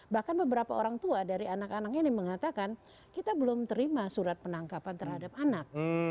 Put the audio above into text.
bahkan beberapa orang tua dari anak anak ini mengatakan kita belum terima surat penangkapan terhadap anak